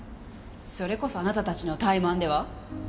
それこそあなたたちの怠慢では？